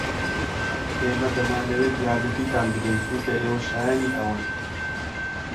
ئێمە دەمانەوێت یارمەتیتان بدەین چونکە ئێوە شایەنی ئەوەن.